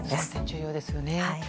重要ですよね。